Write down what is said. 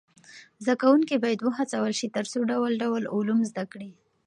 زده کوونکي باید و هڅول سي تر څو ډول ډول علوم زده کړي.